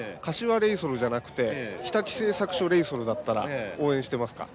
「柏レイソル」じゃなくて「日立製作所レイソル」だったら応援してますか？